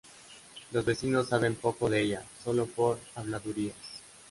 Los vecinos saben poco de ella, sólo por habladurías.